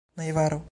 najbaro